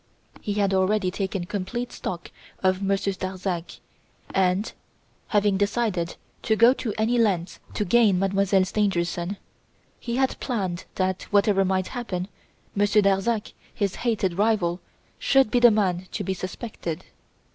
He had already taken complete stock of Monsieur Darzac, and, having decided to go to any lengths to gain Mademoiselle Stangerson, he had planned that, whatever might happen, Monsieur Darzac, his hated rival, should be the man to be suspected.